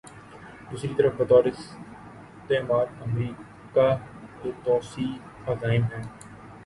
دوسری طرف بطور استعمار، امریکہ کے توسیعی عزائم ہیں۔